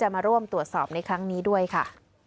มาร่วมตรวจสอบในครั้งนี้ด้วยค่ะ